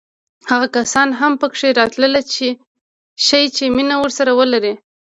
هغه کسان هم پکې راتللی شي چې مینه ورسره لرو.